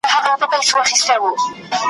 د رنګینۍ په بېلتانه کي مرمه ,